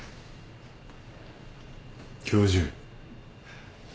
教授。